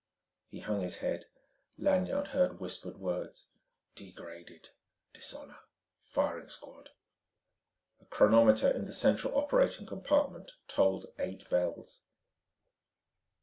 He hung his head. Lanyard heard whispered words: "degraded," "dishonour," "firing squad".... A chronometer in the central operating compartment tolled eight bells.